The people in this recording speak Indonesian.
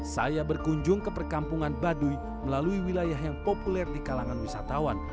saya berkunjung ke perkampungan baduy melalui wilayah yang populer di kalangan wisatawan